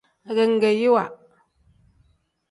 Agegeyiwa.